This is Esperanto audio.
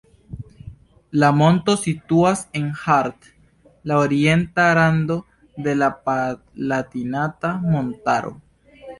La monto situas en Haardt, la orienta rando de la Palatinata montaro.